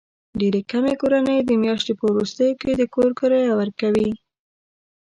ډېرې کمې کورنۍ د میاشتې په وروستیو کې د کور کرایه ورکوي.